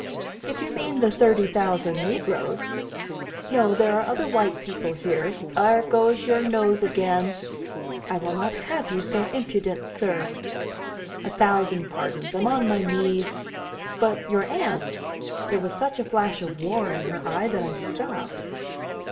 "If you mean the thirty thousand negroes " "No, there are other white people here there goes your nose again!" "I will not have you so impudent, sir!" "A thousand pardons, I'm on my knees. But your aunts " There was such a flash of war in her eye that I stopped.